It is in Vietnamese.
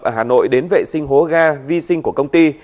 ở hà nội đến vệ sinh hố ga vi sinh của công ty